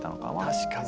確かに。